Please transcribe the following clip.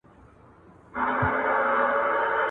پردى زوى نه زوى کېږي.